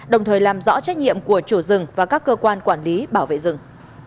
đồng thời làm rõ trách nhiệm của chủ rừng và các cơ quan quản lý bảo vệ rừng